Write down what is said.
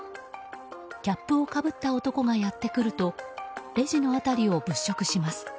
キャップをかぶった男がやってくるとレジの辺りを物色します。